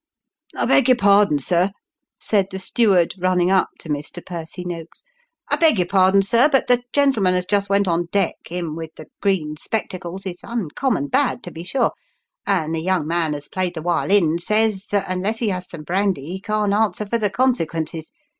" I beg your pardon, sir," said the steward, running up to Mr. Percy Noakes, " I beg your pardon, sir, but the gentleman as just went on deck him with the green spectacles is uncommon bad, to be sure ; and the young man as played the wiolin says, that unless he has some brandy he can't answer for the consequences.